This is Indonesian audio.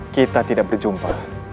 kita tidak berjumpa